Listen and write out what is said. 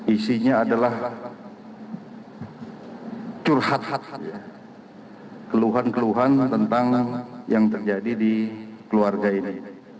isinya adalah curhat harhat keluhan keluhan tentang yang terjadi di keluarga ini